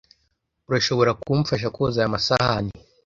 Urashobora kumfasha koza aya masahani?